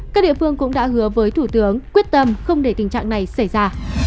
các địa phương cũng đã hứa với thủ tướng quyết tâm không để tình trạng này xảy ra